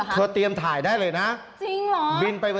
ขอเหี่ยวอ่ะเหี่ยวไหม